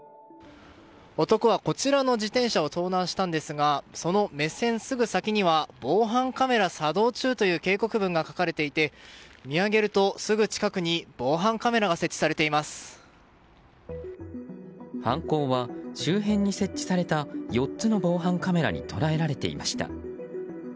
男はこちらの自転車を盗難したんですがその目線すぐ先には防犯カメラ作動中という警告文が書かれていて見上げると、すぐ近くに犯行は周辺に設置された４つの防犯カメラに捉えられていました。